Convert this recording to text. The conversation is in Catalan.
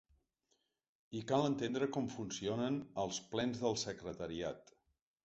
I cal entendre com funcionen els plens del secretariat.